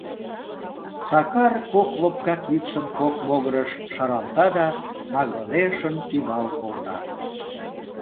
Сакар кок лопка кидшым кок могырыш шаралта да нагылешын тӱвал колта.